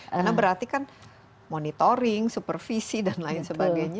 karena berarti kan monitoring supervisi dan lain sebagainya